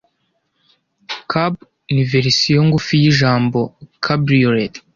Cab ni verisiyo ngufi y'ijambo Cabriolet